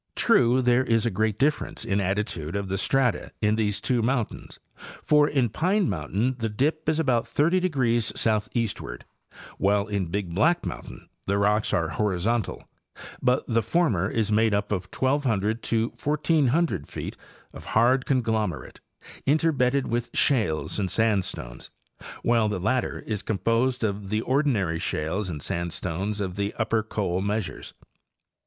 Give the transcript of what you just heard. True, there is a great difference in attitude of the strata in these two mountains, for in Pine mountain the dip is about 30° south eastward, while in Big Black mountain the rocks are horizontal ; but the former is made up of 1,200 to 1,400 feet of hard con glomerate, interbedded with shales and sandstones, whilé the latter is composed of the ordinary shales and sandstones of the upper Coal Measures.